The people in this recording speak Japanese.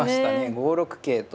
５六桂と。